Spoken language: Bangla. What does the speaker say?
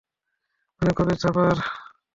মানে কবির থাপার?